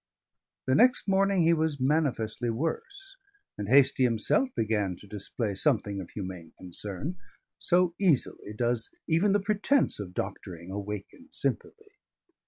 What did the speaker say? The next morning he was manifestly worse, and Hastie himself began to display something of humane concern, so easily does even the pretence of doctoring awaken sympathy.